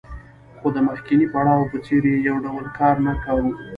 خو د مخکیني پړاو په څېر یې یو ډول کار نه کاوه